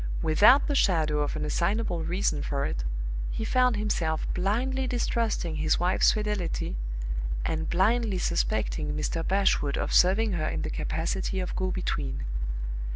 Without the shadow of an assignable reason for it, he found himself blindly distrusting his wife's fidelity, and blindly suspecting Mr. Bashwood of serving her in the capacity of go between.